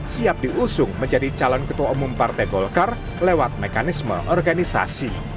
siap diusung menjadi calon ketua umum partai golkar lewat mekanisme organisasi